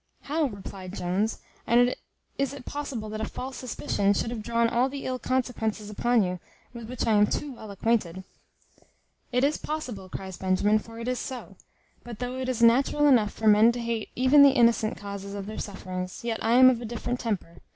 "How!" replied Jones, "and is it possible that a false suspicion should have drawn all the ill consequences upon you, with which I am too well acquainted?" "It is possible," cries Benjamin, "for it is so: but though it is natural enough for men to hate even the innocent causes of their sufferings, yet I am of a different temper.